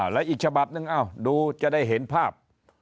แล้วอีกฉบับนึงดูที่จะได้เห็นภาพ